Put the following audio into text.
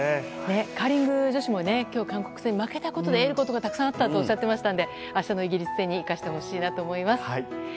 カーリング女子も今日、韓国戦負けたことで得ることがたくさんあったとおっしゃってましたので明日のイギリス戦に生かしてほしいなと思います。